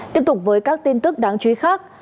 tiếp tục với các tin tức đáng chú ý khác